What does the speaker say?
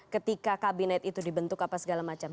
ketika kabinet itu dibentuk apa segala macam